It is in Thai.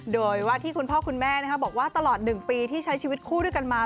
โดยว่าที่คุณพ่อคุณแม่บอกว่าตลอด๑ปีที่ใช้ชีวิตคู่ด้วยกันมา